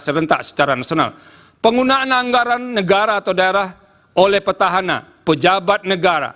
serentak secara nasional penggunaan anggaran negara atau daerah oleh petahana pejabat negara